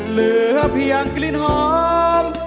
เหลือเพียงกลิ่นหอม